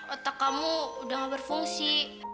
otak kamu udah gak berfungsi